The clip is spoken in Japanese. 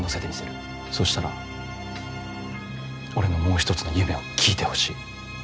そうしたら俺のもう一つの夢を聞いてほしい。